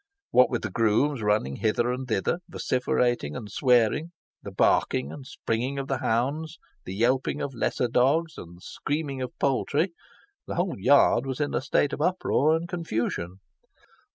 What with the grooms running hither and thither, vociferating and swearing, the barking and springing of the hounds, the yelping of lesser dogs, and the screaming of poultry, the whole yard was in a state of uproar and confusion.